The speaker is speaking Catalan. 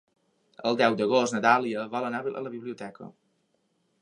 El deu d'agost na Dàlia vol anar a la biblioteca.